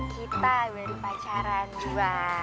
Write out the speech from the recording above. kita udah di pacaran dua